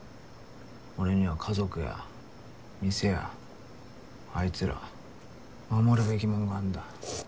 俺には家族や店やあいつら守るべきもんがあんだ。